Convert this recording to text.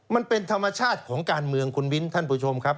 มันเป็นธรรมชาติของการเมืองคุณมิ้นท่านผู้ชมครับ